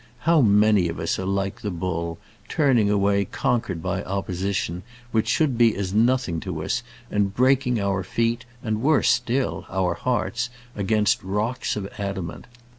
How many of us are like the bull, turning away conquered by opposition which should be as nothing to us, and breaking our feet, and worse still, our hearts, against rocks of adamant.